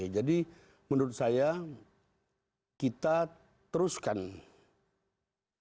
jadi menurut saya kita teruskan mekanisme